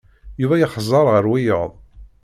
Yuba yexẓer ɣer wiyaḍ.